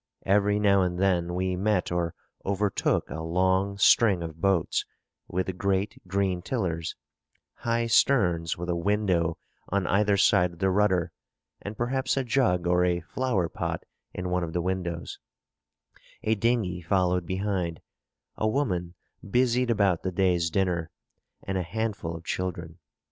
Every now and then we met or overtook a long string of boats, with great green tillers; high sterns with a window on either side of the rudder, and perhaps a jug or a flower pot in one of the windows; a dinghy following behind; a woman busied about the day's dinner, and a handful of children.